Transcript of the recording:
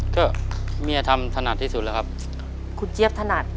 ก็เมียทำถนัดที่สุดแล้วครับคุณเจี๊ยบถนัด